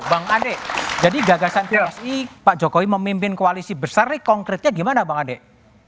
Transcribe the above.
bang ade jadi gagasan psi pak jokowi memimpin koalisi besar ini konkretnya gimana bang ade